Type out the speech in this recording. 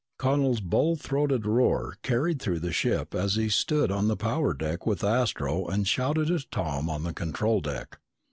Connel's bull throated roar carried through the ship as he stood on the power deck with Astro and shouted to Tom on the control deck.